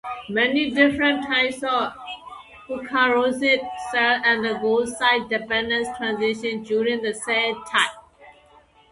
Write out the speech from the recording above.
Many different types of eukaryotic cells undergo size-dependent transitions during the cell cycle.